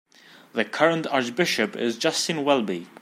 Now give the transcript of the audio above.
The current archbishop is Justin Welby.